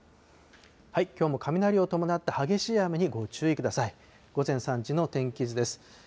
きょうも雷を伴った激しい雨にご注意ください。